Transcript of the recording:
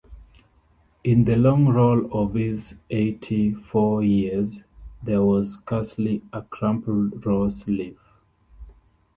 In the long roll of his eighty-four years there was scarcely a crumpled rose-leaf.